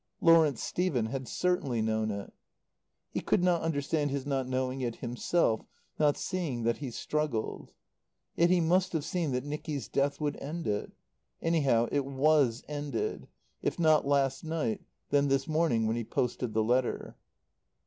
Lawrence Stephen had certainly known it. He could not understand his not knowing it himself, not seeing that he struggled. Yet he must have seen that Nicky's death would end it. Anyhow, it was ended; if not last night, then this morning when he posted the letter.